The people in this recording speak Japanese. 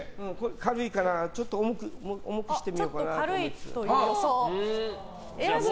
軽いからちょっと重くしてみようかなと。